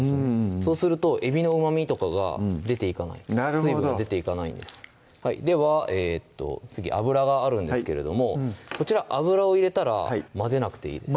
そうするとえびのうまみとかが出ていかないなるほど水分が出ていかないんですでは次油があるんですけれどもこちら油を入れたら混ぜなくていいです